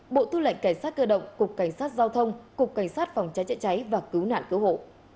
bộ tư lệnh cảnh sát cơ động cục cảnh sát giao thông cục cảnh sát phòng cháy chữa cháy và cứu nạn cứu hộ